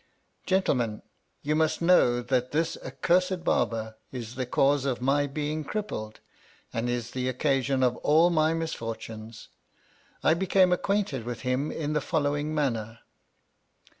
Gentlemen, you must know that this accursed Barber is the cause of my being crippled, and is the occasion of all my misfortunes. I became acquainted with him in the following manner.